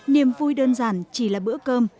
niềm vui đơn giản chỉ là bữa cơm